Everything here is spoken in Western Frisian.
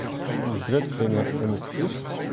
Bern grutbringe yn it Frysk?